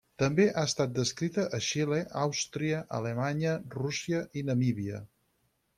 També ha estat descrita a Xile, Àustria, Alemanya, Rússia i Namíbia.